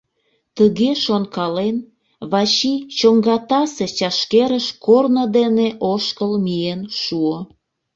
Тыге шонкален, Вачи чоҥгатасе чашкерыш корно дене ошкыл миен шуо.